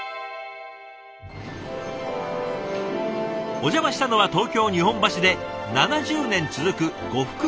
お邪魔したのは東京・日本橋で７０年続く呉服問屋。